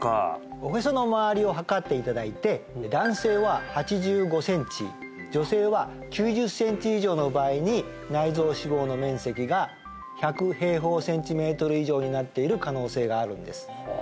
おへそのまわりを測っていただいて男性は８５ｃｍ女性は９０ｃｍ以上の場合に内臓脂肪の面積が１００ｃｍ^2以上になっている可能性があるんです